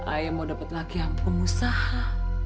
aie mau dapet laki yang pengusaha